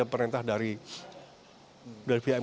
di kawasan yang baru selesai dibangun